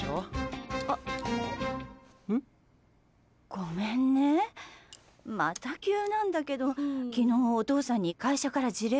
ごめんねまた急なんだけど昨日お父さんに会社から辞令が出てね。